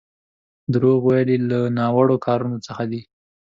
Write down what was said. دروغ ويل يو له ناوړو کارونو څخه دی.